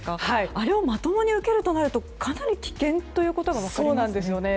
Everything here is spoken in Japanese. あれをまともに受けるとなるとかなり危険ということが分かりますすね。